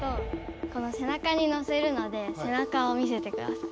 この背中にのせるので背中を見せてください。